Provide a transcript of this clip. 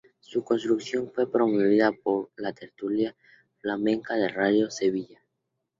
Su construcción fue promovida por la tertulia flamenca de Radio Sevilla.